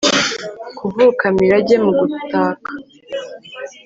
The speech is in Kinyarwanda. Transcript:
Kuvuka mirage mu gutaka